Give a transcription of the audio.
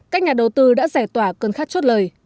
các nhà đầu tư đã giải tỏa cần khắc chốt lời